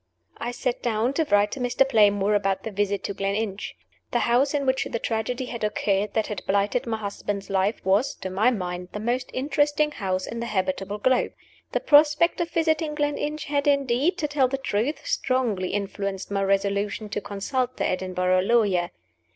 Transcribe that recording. I sat down to write to Mr. Playmore about the visit to Gleninch. The house in which the tragedy had occurred that had blighted my husband's life was, to my mind, the most interesting house on the habitable globe. The prospect of visiting Gleninch had, indeed (to tell the truth), strongly influenced my resolution to consult the Edinburgh lawyer.